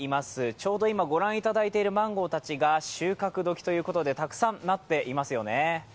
ちょうど、今ご覧いただいているマンゴーたちが収穫時ということでたくさんなっていますよね。